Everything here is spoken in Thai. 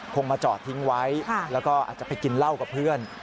มาจอดทิ้งไว้แล้วก็อาจจะไปกินเหล้ากับเพื่อน